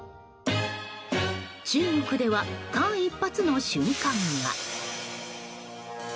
中国では間一髪の瞬間が。